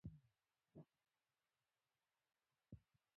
د جنګ کلتور بايد له منځه لاړ شي.